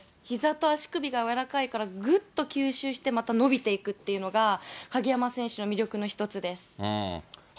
ひざと足首が柔らかいので、ぐっと吸収して、また伸びていくっていうのが、鍵山選手の魅力の一つです。